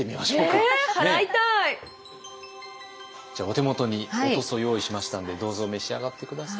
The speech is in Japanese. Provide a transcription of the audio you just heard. ええ！はらいたい！じゃあお手元にお屠蘇用意しましたんでどうぞ召し上がって下さい。